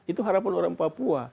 itu harapan orang papua